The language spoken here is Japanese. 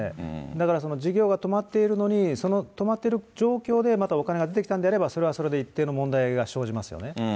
だから事業が止まっているのに、その止まっている状況で、またお金が出てきたんであれば、それはそれで一定の問題が生じますよね。